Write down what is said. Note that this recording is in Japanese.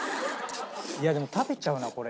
いやでも食べちゃうなこれ。